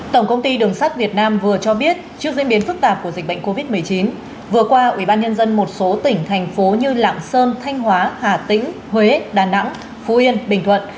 tổng công ty đường sát việt nam vừa cho biết trước diễn biến phức tạp của dịch bệnh covid một mươi chín vừa qua ủy ban nhân dân một số tỉnh thành phố như lạng sơn thanh hóa hà tĩnh huế đà nẵng phú yên bình thuận